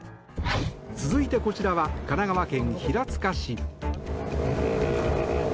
続いてこちらは神奈川県平塚市。